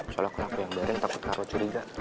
kalau aku yang daring takut taruh curiga